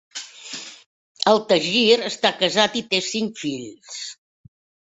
Al Tajir està casat i té cinc fills.